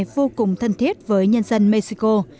vô cùng thân thiết với nhân dân mexico